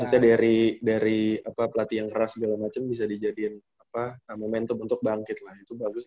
maksudnya dari pelatihan keras segala macem bisa dijadiin momentum untuk bangkit lah itu bagus